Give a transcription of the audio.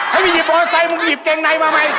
ไม่มีหยิบบอเตอร์ไซค์มึงหยิบเกงไนมาใหม่